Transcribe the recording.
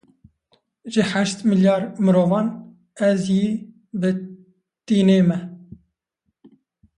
Ji heşt milyar mirovan ez yî bi tinê me